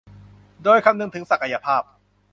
โดยคำนึงถึงศักยภาพ